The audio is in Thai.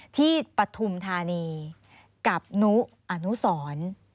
ปฐุมธานีกับนุอนุสร